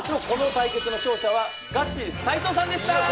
この対決の勝者はガチ齋藤さんでした！